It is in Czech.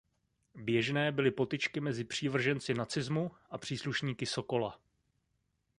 Běžné byly potyčky mezi přívrženci nacismu a příslušníky Sokola.